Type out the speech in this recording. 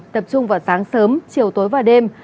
tập trung vào sáng sớm chiều tối và đêm